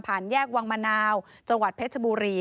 แยกวังมะนาวจังหวัดเพชรบุรี